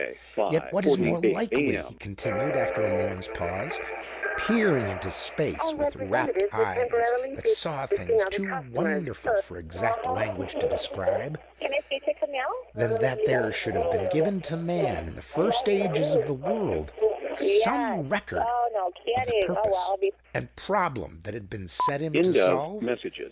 "Yet what is more likely," he continued after a moment's pause, peering into space with rapt eyes that saw things too wonderful for exact language to describe, "than that there should have been given to man in the first ages of the world some record of the purpose and problem that had been set him to solve?